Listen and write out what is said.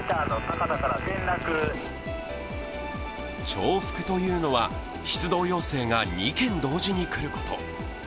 重複というのは、出動要請が２件同時に来ること。